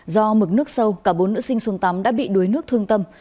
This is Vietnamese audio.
do mực nước sâu cả bốn nữ sinh xuống tắm đã bị đuối nước thương tâm